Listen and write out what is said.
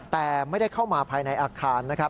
แต่ไม่ได้เข้ามาภายในอาคาร